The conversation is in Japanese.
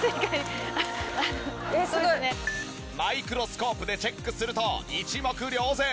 マイクロスコープでチェックすると一目瞭然！